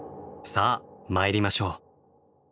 さあ参りましょう。